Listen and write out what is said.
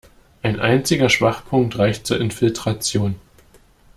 Ein einziger Schwachpunkt reicht zur Infiltration.